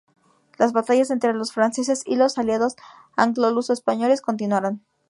Las batallas entre los franceses y los aliados anglo-luso-españoles continuaron.